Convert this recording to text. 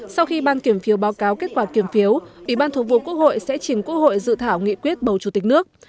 sau khi ban kiểm phiếu báo cáo kết quả kiểm phiếu ủy ban thường vụ quốc hội sẽ chỉnh quốc hội dự thảo nghị quyết bầu chủ tịch nước